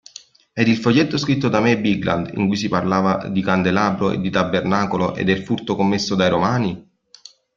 E il foglietto scritto da May Bigland, in cui si parlava di candelabro e di Tabernacolo e del furto commesso dai Romani?